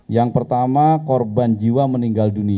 yang pertama korban jiwa meninggal dunia